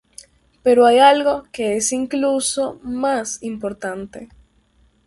Pero hay algo que es incluso más importante.